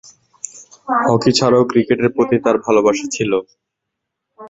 Hockey ছাড়াও ক্রিকেটের প্রতি তার ভালোবাসা ছিল।